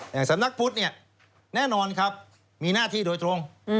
สำนักพุทธเนี่ยแน่นอนครับมีหน้าที่โดยตรง